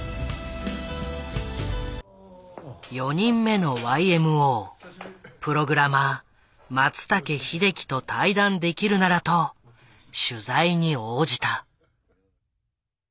「４人目のＹＭＯ」プログラマー松武秀樹と対談できるならと取材に応じた。